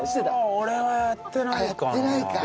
俺はやってないかな。